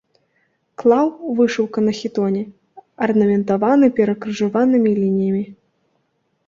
Клаў, вышыўка на хітоне, арнаментаваны перакрыжаванымі лініямі.